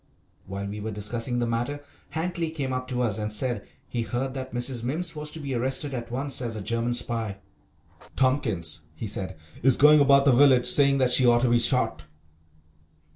While we were discussing the matter Hankly came up to us and said he heard that Mrs. Mimms was to be arrested at once as a German spy. "Tompkins," he said, "is going about the village saying that she ought to be shot."